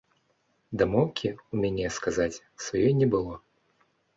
Дамоўкі ў мяне, сказаць, сваёй не было.